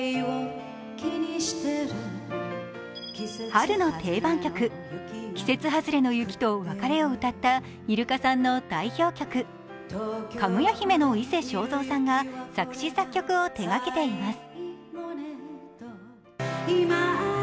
春の定番曲、季節外れの雪と別れを歌ったイルカさんの代表曲かぐや姫の伊勢正三さんが作詞・作曲を手がけています。